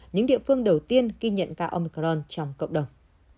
những địa phương đầu tiên ghi nhận ca omicron trong cộng đồng